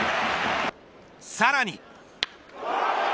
さらに。